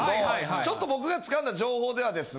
ちょっと僕が掴んだ情報ではですね。